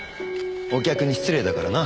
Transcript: お客に失礼だからな。